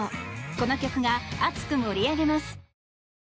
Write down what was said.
この曲が熱く盛り上げます！